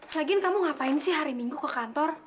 lagiin kamu ngapain sih hari minggu ke kantor